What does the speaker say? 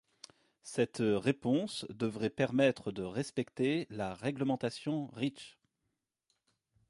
Cette réponse devrait permettre de respecter la réglementation Reach.